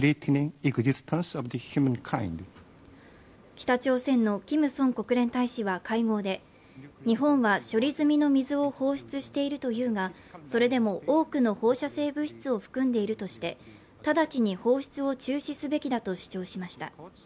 北朝鮮のキム・ソン国連大使は会合で日本は処理済みの水を放出しているというがそれでも多くの放射性物質を含んでいるとして直ちに放出を中止すべきだと主張しました